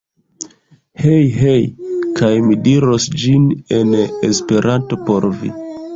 Hej! Hej! Kaj mi diros ĝin en esperanto por vi.